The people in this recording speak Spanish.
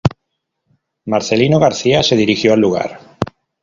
Marcelino García se dirigió al lugar.